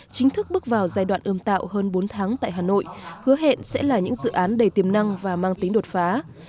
chính thức bước vào giai đoạn ươm tạo hơn bốn tháng tại hà nội hứa hẹn sẽ là những dự án đầy tiềm năng và mang tính đột phá